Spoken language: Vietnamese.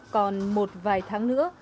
còn một vài tháng nữa